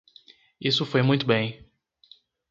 Isso foi muito bem.